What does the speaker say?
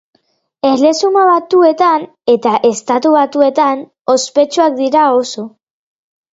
Erresuma Batuan eta Estatu Batuetan ospetsuak dira oso.